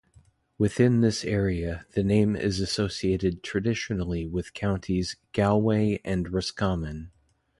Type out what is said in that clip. Within this area, the name is associated traditionally with counties Galway and Roscommon.